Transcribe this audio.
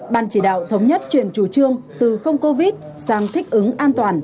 ban chỉ đạo thống nhất chuyển chủ trương từ không covid sang thích ứng an toàn